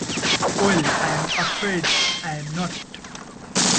Well, I am afraid I am not.